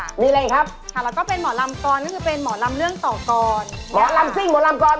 อันนี้สาระครับก็คือเรามีทั้งเบื้องหน้าและเบื้องหลังนะครับ